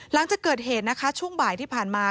หลังจากเกิดเหตุนะคะช่วงบ่ายที่ผ่านมา